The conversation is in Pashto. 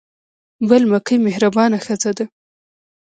بل مکۍ مهربانه ښځه ده.